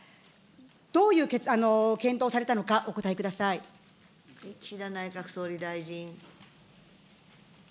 どういう検討をされたのか、お答岸田内閣総理大臣。